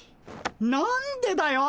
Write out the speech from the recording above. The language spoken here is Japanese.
何でだよ！